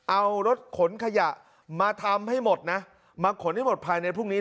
เอารถขนขยะมาทำให้หมดนะมาขนให้หมดภายในพรุ่งนี้